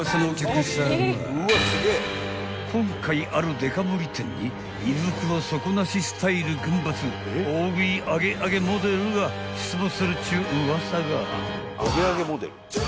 ［今回あるデカ盛り店に胃袋底なしスタイルグンバツ大食い揚げ揚げモデルが出没するっちゅうウワサが］